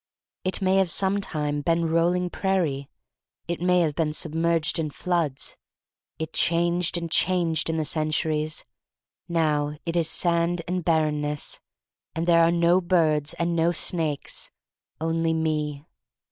It may have sometime been rolling prairie. It may have been submerged in floods. It changed and changed in the centuries. Now it is sand and barrenness, and there are no birds and no snakes; only me.